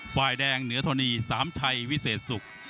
ฝ่ายแดงเหนือธรณีสามชัยวิเศษสุข